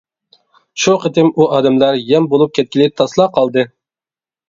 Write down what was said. شۇ قېتىم ئۇ ئادەملەر يەم بولۇپ كەتكىلى تاسلا قالدى.